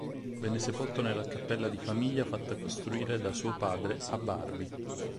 Venne sepolto nella cappella di famiglia fatta costruire da suo padre a Barby.